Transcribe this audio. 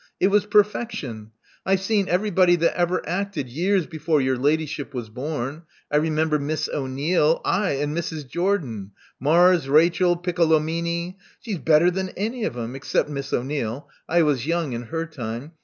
It was perfection. I've seen everybody that ever acted — years before your ladyship was born. I remember Miss O'Neill, aye, and Mrs. Jordan; Mars, Rachel, Piccolomini! she's better than any of 'em, except Miss O'Neill — I was young in her time.